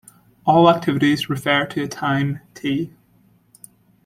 All activities refer to a time "t".